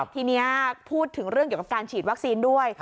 ทีนี้พูดถึงเรื่องเกี่ยวกับการฉีดวัคซีนด้วย